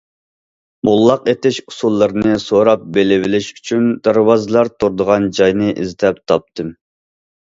موللاق ئېتىش ئۇسۇللىرىنى سوراپ بىلىۋېلىش ئۈچۈن دارۋازلار تۇرىدىغان جاينى ئىزدەپ تاپتىم.